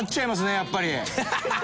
やっぱり。